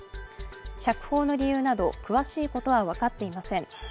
釈放の理由など詳しいことは分かっていません。